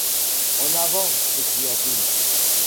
En avant! s’écria-t-il.